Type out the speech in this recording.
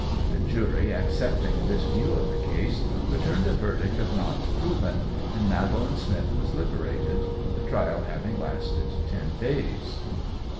The jury accepting this view of the case, returned a verdict of "not proven," and Madeline Smith was liberated, the trial having lasted ten days.